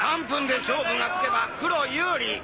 ３分で勝負がつけば黒有利！